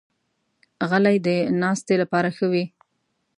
غلۍ د ناستې لپاره ښه وي.